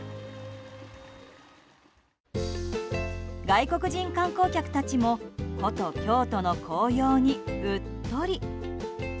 外国人観光客たちも古都・京都の紅葉にうっとり。